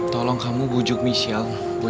tolong kamu bujuk michelle